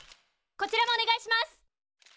こちらもお願いします。